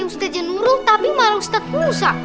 ustadz janurul tapi malah ustadz musa